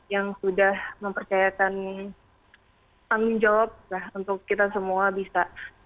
yang sudah mempercayakan tanggung jawab untuk kita semua bisa